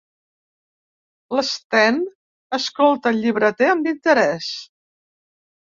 L'Sten escolta el llibreter amb interès.